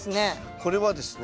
これはですね